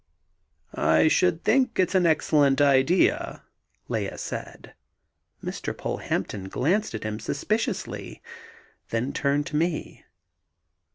"I should think it's an excellent idea," Lea said. Mr. Polehampton glanced at him suspiciously, then turned to me.